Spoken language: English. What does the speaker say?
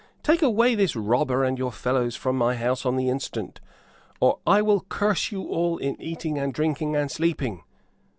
Take away this robber and your fellows from my house on the instant, or I will curse you all in eating and drinking and sleeping."